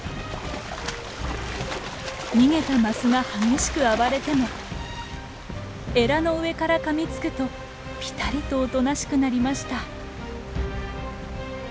逃げたマスが激しく暴れてもエラの上からかみつくとピタリとおとなしくなりました。